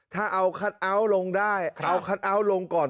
ถ้าเอาคัตอาวท์ลงได้เอาคัตอาวท์ลงก่อนเถอะครับ